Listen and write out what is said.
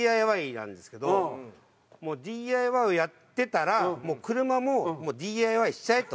もうＤＩＹをやってたら車もＤＩＹしちゃえと。